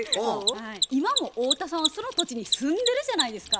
今も太田さんはその土地に住んでるじゃないですか。